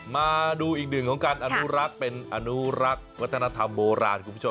มาดูอีกหนึ่งของการอนุรักษ์เป็นอนุรักษ์วัฒนธรรมโบราณคุณผู้ชม